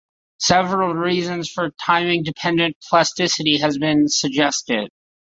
Several reasons for timing-dependent plasticity have been suggested.